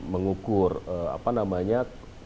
mengukur apa namanya